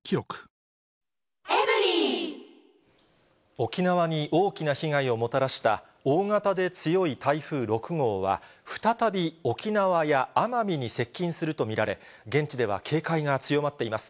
沖縄に大きな被害をもたらした大型で強い台風６号は、再び沖縄や奄美に接近すると見られ、現地では警戒が強まっています。